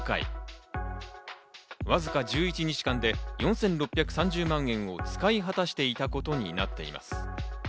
わずか１１日間で４６３０万円を使い果たしていたことになっています。